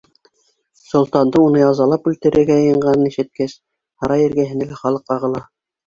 Солтандың уны язалап үлтерергә йыйынғанын ишеткәс, һарай эргәһенә лә халыҡ ағыла.